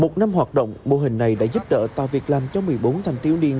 một năm hoạt động mô hình này đã giúp đỡ tạo việc làm cho một mươi bốn thanh thiếu niên